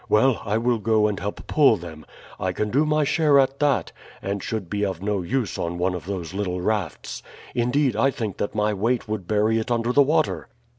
"Well, I will go and help pull them. I can do my share at that, and should be of no use on one of those little rafts; indeed, I think that my weight would bury it under the water."